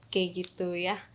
kayak gitu ya